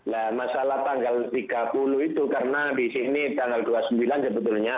nah masalah tanggal tiga puluh itu karena di sini tanggal dua puluh sembilan sebetulnya